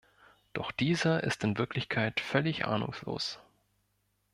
Doch dieser ist in Wirklichkeit völlig ahnungslos.